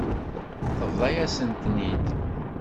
Tebḍa-yasent-ten-id.